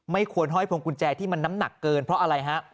ควรห้อยพวงกุญแจที่มันน้ำหนักเกินเพราะอะไรฮะ